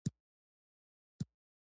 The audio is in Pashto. هره ورځ کوي له خلکو څخه غلاوي